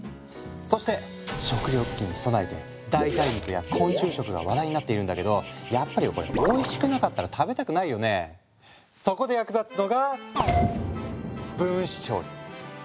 そして食糧危機に備えて代替肉や昆虫食が話題になっているんだけどやっぱりこれそこで役立つのが分子調理。